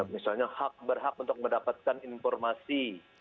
misalnya berhak untuk mendapatkan informasi